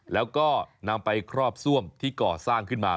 แล้วก็นำไปครอบซ่วมที่ก่อสร้างขึ้นมา